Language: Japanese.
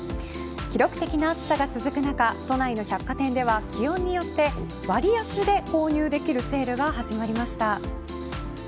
記録的な暑さが続く中都内の百貨店では気温によって割安で購入できるセールが始まりました。